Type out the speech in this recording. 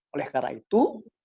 oleh karena itu